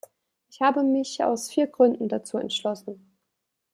Ich habe mich aus vier Gründen dazu entschlossen.